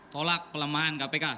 tolak pelemahan kpk